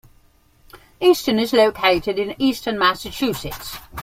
Easton is located in eastern Massachusetts.